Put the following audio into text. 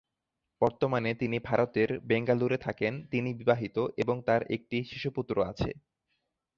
বর্তমানে তিনি ভারতের বেঙ্গালুরুতে থাকেন তিনি বিবাহিত এবং তাঁর একটি শিশুপুত্র আছে।